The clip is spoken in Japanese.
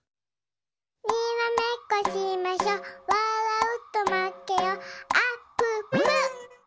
「にらめっこしましょわらうとまけよあっぷっぷ」